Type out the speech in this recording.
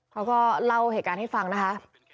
เขาก็เล่าเหตุการณ์ให้ฟังนะคะ